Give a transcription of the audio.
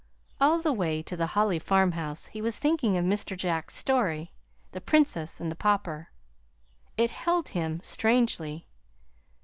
All the way to the Holly farmhouse he was thinking of Mr. Jack's story, "The Princess and the Pauper." It held him strangely.